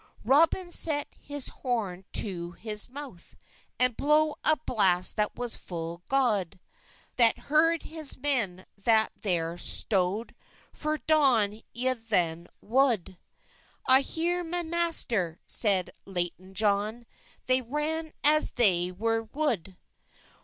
Roben set hes horne to hes mowthe, And blow a blast that was full god, That herde hes men that ther stode, Fer downe yn the wodde; "I her mey master," seyde Leytell John; They ran as thay wer wode.